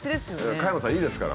加山さんいいですから。